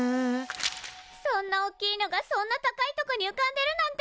そんなおっきいのがそんな高いとこにうかんでるなんて！